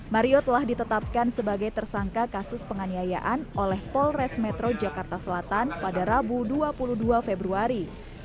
mario telah ditetapkan sebagai tersangka kasus penganiayaan oleh polres metro jakarta selatan pada rabu dua puluh dua februari